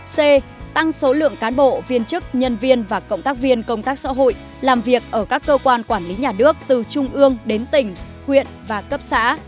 c tăng số lượng cán bộ viên chức nhân viên và cộng tác viên công tác xã hội làm việc ở các cơ quan quản lý nhà nước từ trung ương đến tỉnh huyện và cấp xã